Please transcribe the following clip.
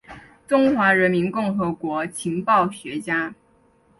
中华人民共和国情报学家。